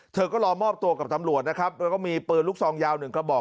เธอก็รอมอบตัวกับตำรวจนะครับแล้วก็มีปืนลูกซองยาวหนึ่งกระบอก